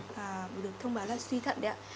và được thông báo là suy thận đấy ạ